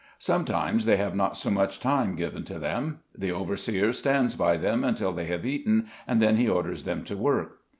Sometimes, they have not so much time given to them. The overseer stands by them until they have eaten, and then he orders them to work.